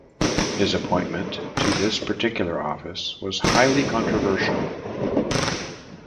His appointment to this particular office was highly controversial.